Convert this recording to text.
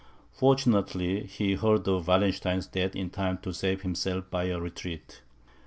Fortunately, he heard of Wallenstein's death in time to save himself by a retreat.